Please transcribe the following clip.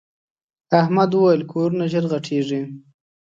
احمد وويل: کورونه ژر غټېږي.